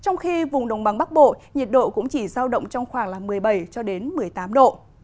nhiệt độ cũng chỉ giao động trong khoảng một mươi bảy một mươi tám độ